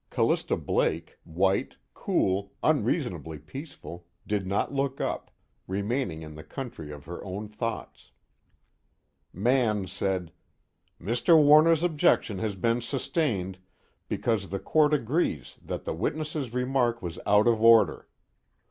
Callista Blake white, cool, unreasonably peaceful did not look up, remaining in the country of her own thoughts. Mann said: "Mr. Warner's objection has been sustained, because the Court agrees that the witness's remark was out of order.